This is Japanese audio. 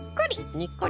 にっこり！